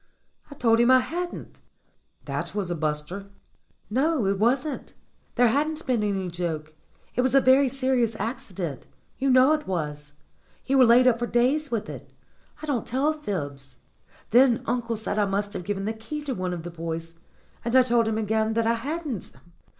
"I told him I hadn't." "That was a buster." "No, it wasn't. There hadn't been any joke. It was a very serious accident. You know it was. You were laid up for days with it. I don't tell fibs. Then uncle said I must have given the key to one of the boys, and I told him again that I hadn't."